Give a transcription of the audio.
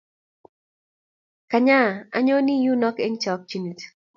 Kanya anyoni yunoe eng' chokchinet